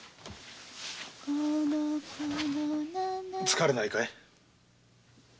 疲れないかい？